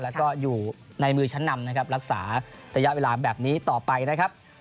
แล้วก็อยู่ในมือชั้นนำนะครับรักษาระยะเวลาแบบนี้ต่อไปนะครับ